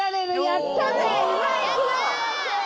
やった！